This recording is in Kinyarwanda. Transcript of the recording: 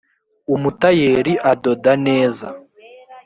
umutayeri adoda neza.